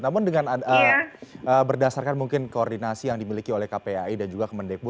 namun dengan berdasarkan mungkin koordinasi yang dimiliki oleh kpai dan juga kemendekbu